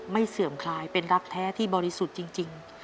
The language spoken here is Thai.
เสื่อมคลายเป็นรักแท้ที่บริสุทธิ์จริง